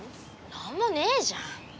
なんもねえじゃん。